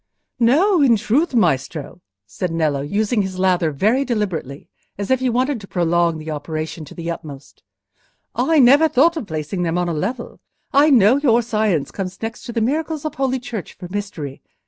"No, in truth, Maestro," said Nello, using his lather very deliberately, as if he wanted to prolong the operation to the utmost, "I never thought of placing them on a level: I know your science comes next to the miracles of Holy Church for mystery.